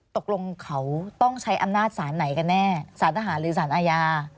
ตกลงเขาต้องใช้อำนาจสารไหนกันแน่สารทหารหรือสารอาญา